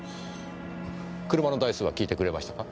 車の台数は聞いてくれましたか？